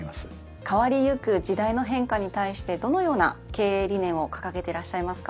変わりゆく時代の変化に対してどのような経営理念を掲げてらっしゃいますか？